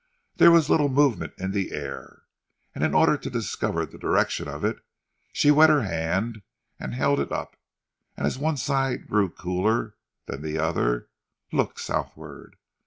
There was little movement in the air, and in order to discover the direction of it she wet her hand and held it up, and as one side grew cooler than the other, looked southward.